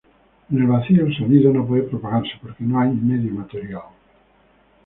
En el vacío, el sonido no puede propagarse, porque no hay medio material.